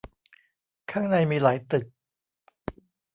ข้างในมีหลายตึก